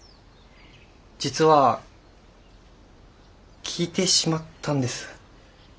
実は聞いてしまったんです。